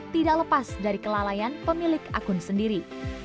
tidak lepas dari kelalaian pemilik akun sendiri